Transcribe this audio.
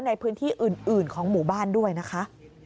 ในพื้นที่อื่นของหมู่บ้านด้วยนะคะ